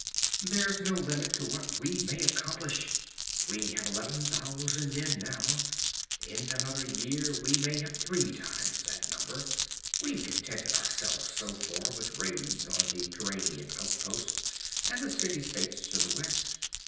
'There's no limit to what we may accomplish! We have eleven thousand men now. In another year we may have three times that number. We've contented ourselves, so far, with raids on the Turanian outposts and the city states to the west.